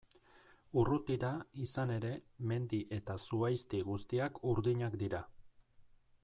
Urrutira, izan ere, mendi eta zuhaizti guztiak urdinak dira.